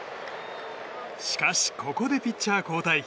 しかし、ここでピッチャー交代。